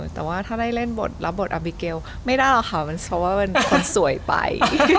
แต่ว่าถ้าได้เล่นบทรับบทอาบิเกลไม่ได้หรอกค่ะมันเพราะว่าเป็นคนสวยไป